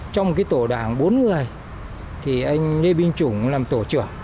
trong tổ đảng bốn người thì anh lê binh chủng làm tổ trưởng